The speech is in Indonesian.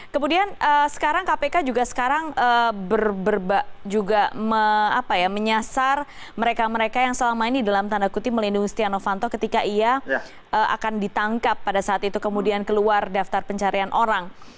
kemudian sekarang kpk juga sekarang juga menyasar mereka mereka yang selama ini dalam tanda kutip melindungi setia novanto ketika ia akan ditangkap pada saat itu kemudian keluar daftar pencarian orang